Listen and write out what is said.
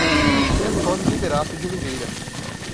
Antônio Liberato de Oliveira